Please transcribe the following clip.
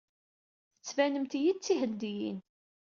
Tettbanemt-iyi-d d Tihendiyin.